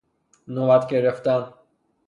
نوبت گرفتن